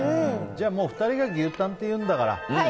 じゃあ、２人が牛タンって言うんだから。